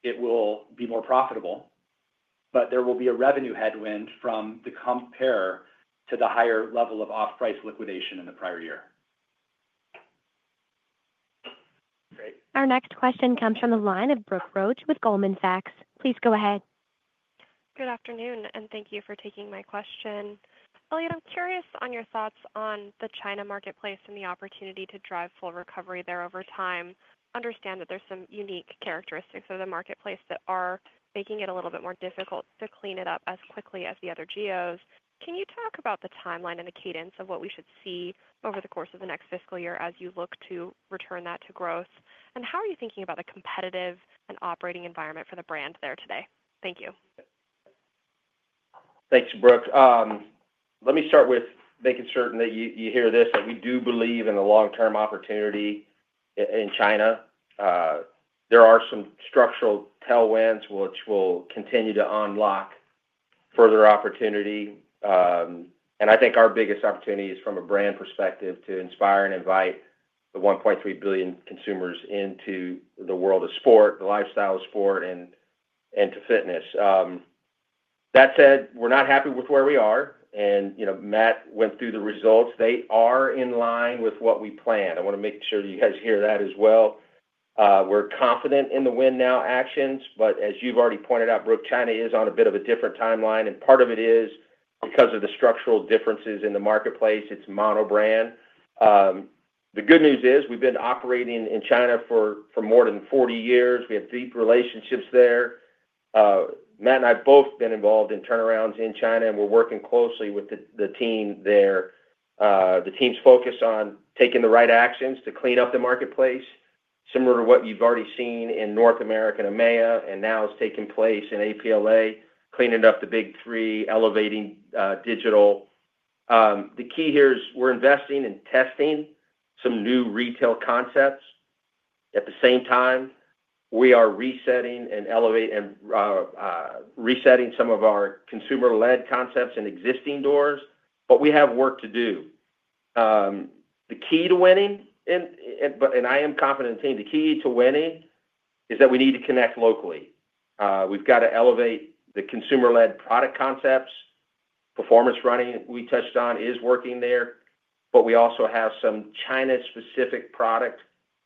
It will be more profitable. There will be a revenue headwind from the compare to the higher level of off-price liquidation in the prior year. Great. Our next question comes from the line of Brooke Roach with Goldman Sachs. Please go ahead. Good afternoon. Thank you for taking my question. Elliott, I'm curious on your thoughts on the China marketplace and the opportunity to drive full recovery there over time. Understand that there's some unique characteristics of the marketplace that are making it a little bit more difficult to clean it up as quickly as the other geos. Can you talk about the timeline and the cadence of what we should see over the course of the next fiscal year as you look to return that to growth? How are you thinking about the competitive and operating environment for the brand there today? Thank you. Thanks, Brooke. Let me start with making certain that you hear this, that we do believe in a long-term opportunity in China. There are some structural tailwinds which will continue to unlock further opportunity. I think our biggest opportunity is from a brand perspective to inspire and invite the 1.3 billion consumers into the world of sport, the lifestyle of sport, and to fitness. That said, we're not happy with where we are. Matt went through the results. They are in line with what we planned. I want to make sure you guys hear that as well. We're confident in the win now actions. As you've already pointed out, Brooke, China is on a bit of a different timeline. Part of it is because of the structural differences in the marketplace. It's monobrand. The good news is we've been operating in China for more than 40 years. We have deep relationships there. Matt and I have both been involved in turnarounds in China, and we're working closely with the team there. The team's focused on taking the right actions to clean up the marketplace, similar to what you've already seen in North America and EMEA, and now is taking place in APLA, cleaning up the big three, elevating digital. The key here is we're investing and testing some new retail concepts. At the same time, we are resetting some of our consumer-led concepts and existing doors. We have work to do. The key to winning, and I am confident in the team, the key to winning is that we need to connect locally. We've got to elevate the consumer-led product concepts. Performance running, we touched on, is working there. We also have some China-specific product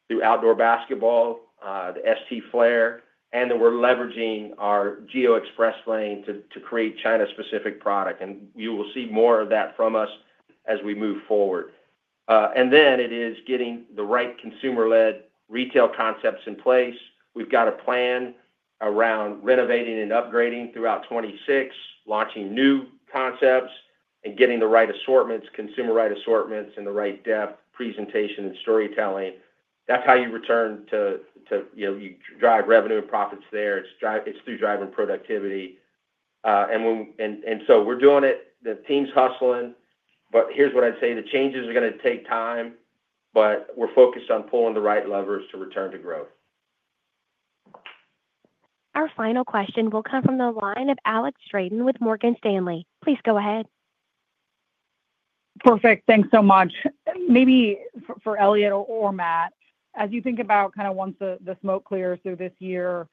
through outdoor basketball, the ST Flare. We are leveraging our geo Express lane to create China-specific product. You will see more of that from us as we move forward. It is getting the right consumer-led retail concepts in place. We've got a plan around renovating and upgrading throughout 2026, launching new concepts, and getting the right assortments, consumer-right assortments, and the right depth, presentation, and storytelling. That's how you return to, you drive revenue and profits there. It's through driving productivity. We're doing it. The team's hustling. Here's what I'd say. The changes are going to take time, but we're focused on pulling the right levers to return to growth. Our final question will come from the line of Alex Straton with Morgan Stanley. Please go ahead. Perfect. Thanks so much. Maybe for Elliott or Matt, as you think about kind of once the smoke clears through this year,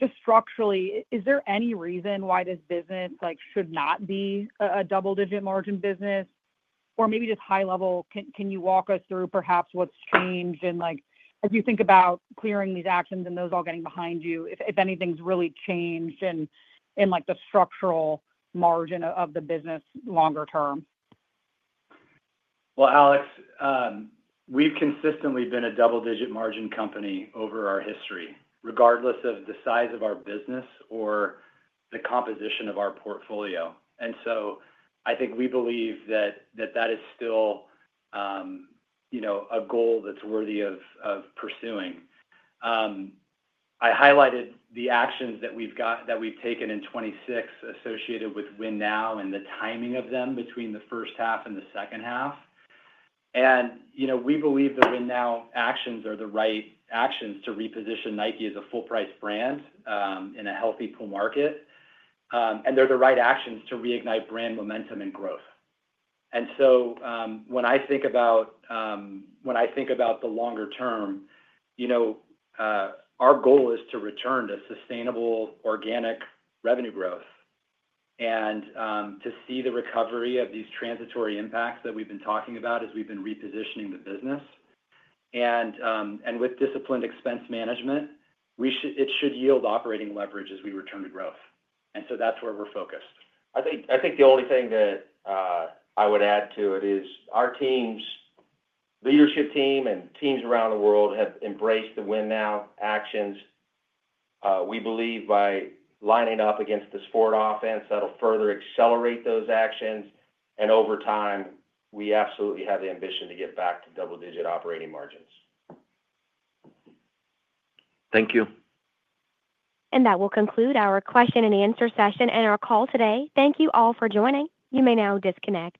just structurally, is there any reason why this business should not be a double-digit margin business? Or maybe just high level, can you walk us through perhaps what's changed? As you think about clearing these actions and those all getting behind you, if anything's really changed in the structural margin of the business longer term? Alex, we've consistently been a double-digit margin company over our history, regardless of the size of our business or the composition of our portfolio. I think we believe that that is still a goal that's worthy of pursuing. I highlighted the actions that we've taken in 2026 associated with Win Now and the timing of them between the first half and the second half. We believe the Win Now actions are the right actions to reposition NIKE as a full-price brand in a healthy pool market. They're the right actions to reignite brand momentum and growth. When I think about the longer term, our goal is to return to sustainable organic revenue growth and to see the recovery of these transitory impacts that we've been talking about as we've been repositioning the business. With disciplined expense management, it should yield operating leverage as we return to growth. That is where we are focused. I think the only thing that I would add to it is our leadership team and teams around the world have embraced the Win Now actions. We believe by lining up against the sport offense, that will further accelerate those actions. Over time, we absolutely have the ambition to get back to double-digit operating margins. Thank you. That will conclude our question and answer session and our call today. Thank you all for joining. You may now disconnect.